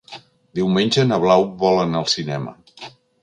Diumenge na Blau vol anar al cinema.